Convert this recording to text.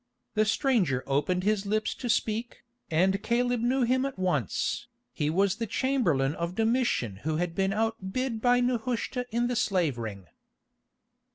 The stranger opened his lips to speak, and Caleb knew him at once. He was the chamberlain of Domitian who had been outbid by Nehushta in the slave ring.